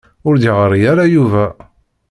Ur d-yeɣri ara Yuba.